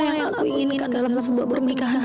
apa yang aku inginkan dalam sebuah pernikahan